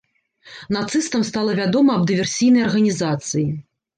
Нацыстам стала вядома аб дыверсійнай арганізацыі.